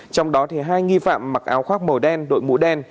trong đó hai nghi phạm mặc áo khoác màu đen đội mũ đen